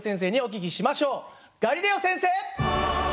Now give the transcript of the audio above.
ガリレオ先生！